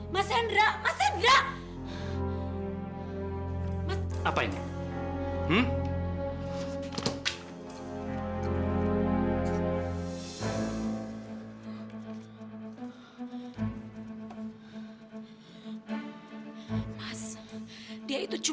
mas iras sendiri nggak cuma itu aja